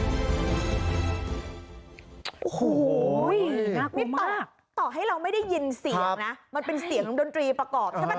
โอ้โหน่ากลัวต่อให้เราไม่ได้ยินเสียงนะมันเป็นเสียงดนตรีประกอบใช่ไหม